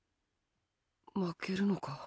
負けるのか？